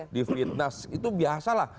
di fitness itu biasalah